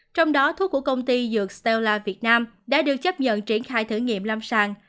trong đó thuốc của công ty dược steella việt nam đã được chấp nhận triển khai thử nghiệm lâm sàng